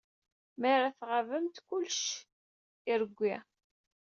Mi ara tɣabemt, kullec irewwi.